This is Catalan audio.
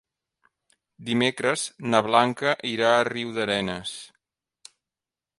Dimecres na Blanca irà a Riudarenes.